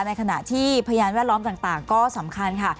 ในขณะที่พยานแวดล้อมต่างก็สำคัญค่ะ